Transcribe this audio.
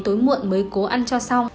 tối muộn mới cố ăn cho xong